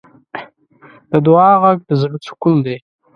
د دعا غږ د زړۀ سکون دی.